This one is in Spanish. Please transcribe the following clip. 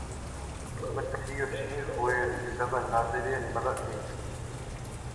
El primer sencillo "Shine" fue utilizado en la serie animada "Hellsing".